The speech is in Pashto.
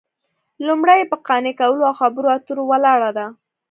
لومړۍ یې په قانع کولو او خبرو اترو ولاړه ده